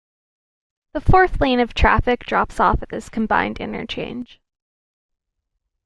The fourth lane of traffic drops off at this combined interchange.